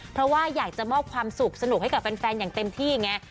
เพราะว่าอยากจะมอบความสุขสนุกให้กับแฟนอย่างเต็มที่ไง